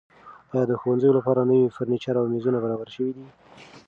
ایا د ښوونځیو لپاره نوي فرنیچر او میزونه برابر شوي دي؟